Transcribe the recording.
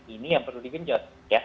ini yang perlu digenjot